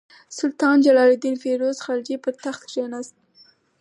سلطان جلال الدین فیروز خلجي پر تخت کښېناست.